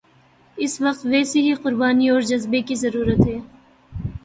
اس وقت ویسی ہی قربانی اور جذبے کی ضرورت ہے